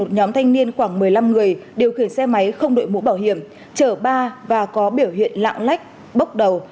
một nhóm thanh niên khoảng một mươi năm người điều khiển xe máy không đội mũ bảo hiểm chở ba và có biểu hiện lạng lách bốc đầu